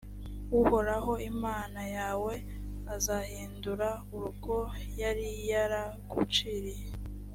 uhoraho imana yawe azahindura urwo yari yaraguciriye,